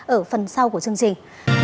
ở phần sau của chương trình